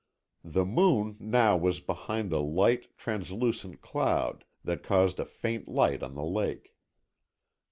The moon now was behind a light, translucent cloud, that caused a faint light on the lake.